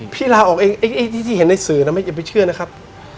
พี่ลาออกเองถ้าที่เจอกับสื่ออย่าเพิ่งเชื่อนะครับ